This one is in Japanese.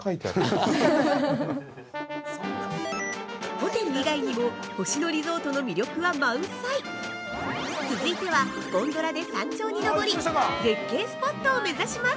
◆ホテル以外にも、星野リゾートの魅力は満載続いてはゴンドラで山頂に登り絶景スポットを目指します◆